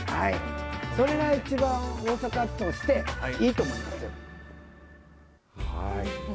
それが一番大阪としていいと思います。